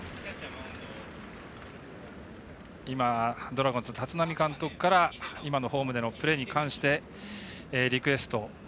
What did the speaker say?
ドラゴンズ立浪監督から今のホームでのプレーに関してリクエスト。